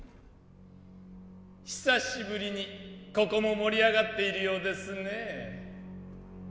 久しぶりにここも盛り上がっているようですね